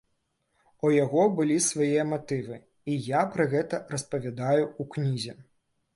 У яго былі свае матывы, і я пра гэта распавядаю ў кнізе.